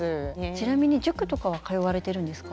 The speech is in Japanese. ちなみに塾とかは通われてるんですか？